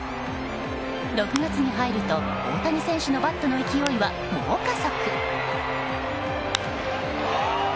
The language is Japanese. ６月に入ると大谷選手のバットの勢いは猛加速。